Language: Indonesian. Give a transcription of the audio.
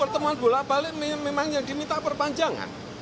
pertemuan bolak balik memang yang diminta perpanjangan